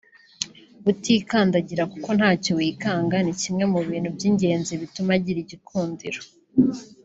utikandagira kuko ntacyo wikanga ni kimwe mu bintu by’ingenzi bituma agira igikundiro